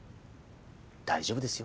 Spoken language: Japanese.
大丈夫ですよ。